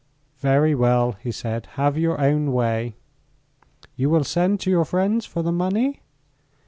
"Very well," he said; "have your own way." "You will send to your friends for the money?"